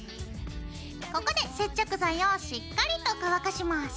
ここで接着剤をしっかりと乾かします。